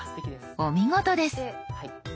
お見事です。